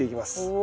お。